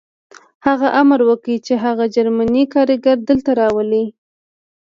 هغه امر وکړ چې هغه جرمنی کارګر دلته راولئ